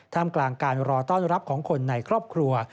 กลางการรอต้อนรับของคนในครอบครัว